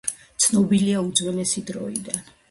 ამ ტერმინის ზოგადი გაგებით ცემენტი ცნობილია უძველესი დროიდან.